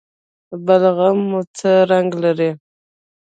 بلغم مو څه رنګ لري؟